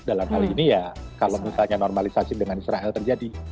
dalam hal ini ya kalau misalnya normalisasi dengan israel terjadi